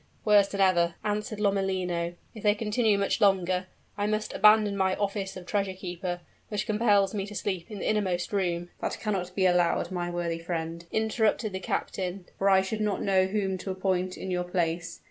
"Worse than ever," answered Lomellino. "If they continue much longer, I must abandon my office of treasure keeper, which compels me to sleep in the innermost room " "That cannot be allowed, my worthy friend," interrupted the captain; "for I should not know whom to appoint in your place.